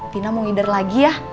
tine mau ngider lagi ya